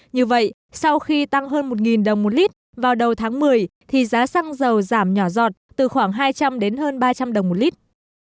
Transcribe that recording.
như vậy sau khi tăng hơn một đồng một lít vào đầu tháng một mươi thì giá xăng dầu giảm nhỏ giọt từ khoảng hai trăm linh đến hơn ba trăm linh đồng một lít